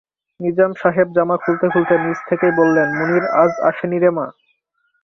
নিজাম সাহেব জামা খুলতে-খুলতে নিজ থেকেই বললেন, মুনির আজ আসেনিরে মা!